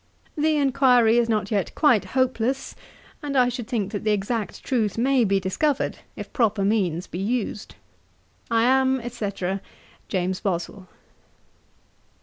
'The enquiry is not yet quite hopeless, and I should think that the exact truth may be discovered, if proper means be used. I am, &c. 'JAMES BOSWELL.'